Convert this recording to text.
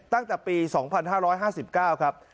ตั้งแต่ปี๒๕๕๙ครับ